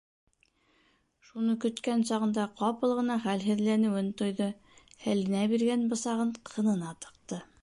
Шуны көткән сағында ҡапыл ғына хәлһеҙләнеүен тойҙо, һәленә биргән бысағын ҡынына тыҡты.